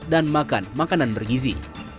dan makan makanan bergizi